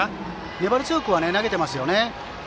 粘り強く投げていますね。